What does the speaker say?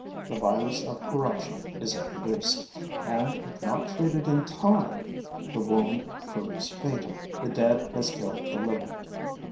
The virus of corruption is introduced; and, if not treated in time, the wound proves fatal. The dead has killed the living.